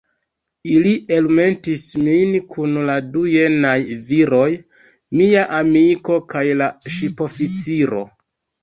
Ili elmetis min kun la du jenaj viroj, mia amiko, kaj la ŝipoficiro.